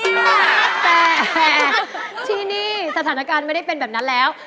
แต่ที่นี่สถานการณ์ไม่ได้เป็นแบบนั้นแล้ว